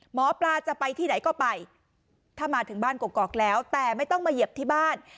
หมอปลาจะไปที่ไหนก็ไปถ้ามาถึงบ้านกอกแล้วแต่ไม่ต้องมาเหยียบที่บ้าน